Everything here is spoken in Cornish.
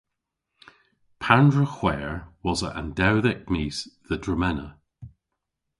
Pandr'a hwer wosa an dewdhek mis dhe dremena?